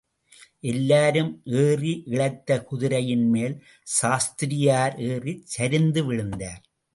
எல்லாரும் ஏறி இளைத்த குதிரையின் மேல் சாஸ்திரியார் ஏறிச்சரிந்து விழுந்தார்.